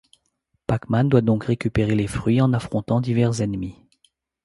Pac-Man doit donc récupérer les fruits en affrontant divers ennemis.